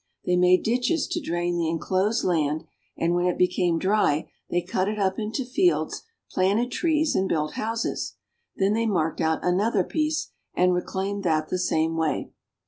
They made ditches to drain the inclosed land, and when it became dry they cut it up into fields, planted trees, and built houses. Then they marked out another piece and reclaimed that the same way.